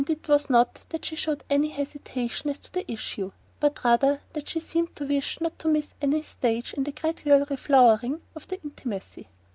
It was not that she showed any hesitation as to the issue, but rather that she seemed to wish not to miss any stage in the gradual reflowering of their intimacy.